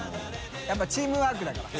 笋辰チームワークだから。